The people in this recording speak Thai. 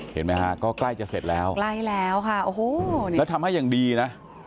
เห็นไหมครับก็ใกล้จะเสร็จแล้วแล้วทำให้อย่างดีนะ